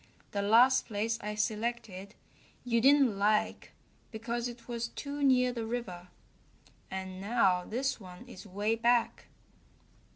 The last place I selected you didn't like because it was too near the river, and now this one is way back."